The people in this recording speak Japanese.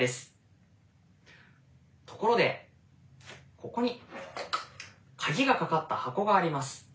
ところでここに鍵が掛かった箱があります。